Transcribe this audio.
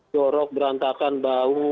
jorok berantakan bau